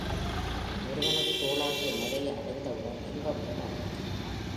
முருகனது தோளாகிய மலையை அடைந்தவுடன் இன்பம் உண்டாயிற்று.